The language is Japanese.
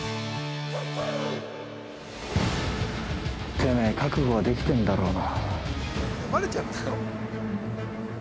◆てめえ、覚悟はできてんだろうな。